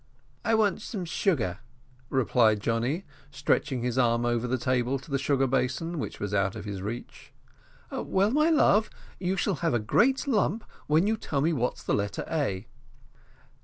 "I want some sugar," replied Johnny, stretching his arm over the table to the sugar basin, which was out of his reach. "Well, my love, you shall have a great lump if you will tell me what's the letter A."